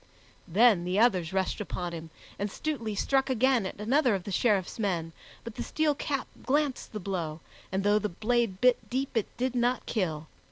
Then the others rushed upon him, and Stutely struck again at another of the Sheriff's men, but the steel cap glanced the blow, and though the blade bit deep, it did not kill.